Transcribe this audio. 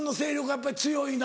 やっぱり強いな。